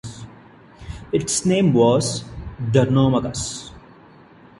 Its name was "Durnomagus".